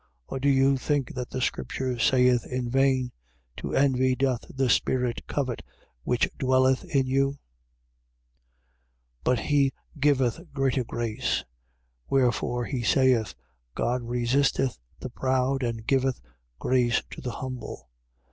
4:5. Or do you think that the scripture saith in vain: To envy doth the spirit covet which dwelleth in you? 4:6. But he giveth greater grace. Wherefore he saith: God resisteth the proud and giveth grace to the humble.